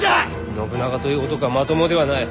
信長という男はまともではない。